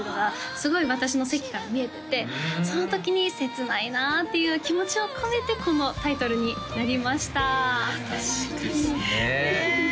すごい私の席から見えててその時に切ないなっていう気持ちを込めてこのタイトルになりました歌手ですねねえ